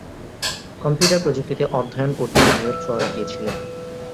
Computer প্রযুক্তিতে অধ্যয়ন করতে নিউ ইয়র্ক শহরে গিয়েছিলেন।